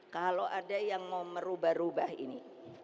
kalau ada yang mau merubah rubah ini